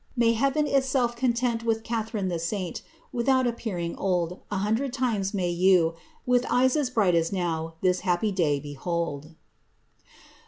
May Heaven itself content With Catharine tlie saint ; Without appearing old, An hundred times may you, With eyes as bright as now. This happy day behold."